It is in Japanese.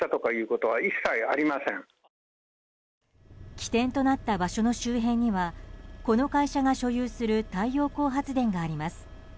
起点となった場所の周辺にはこの会社が所有する太陽光発電があります。